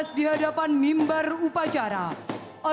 sersan mayor satu taruna hari purnoto